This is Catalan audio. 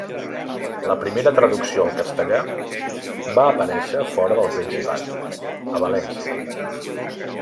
La primera traducció al castellà va aparèixer fora del Principat, a València.